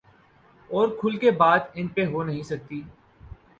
اورکھل کے بات ان پہ ہو نہیں سکتی۔